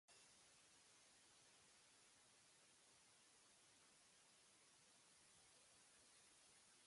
ኖሆም ጂግና ኣጆካ ቀጽሎ ኣታ ወዲ ኤረይ ኣንበሳ